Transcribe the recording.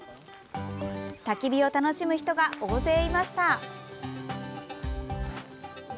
たき火を楽しむ人が大勢いました。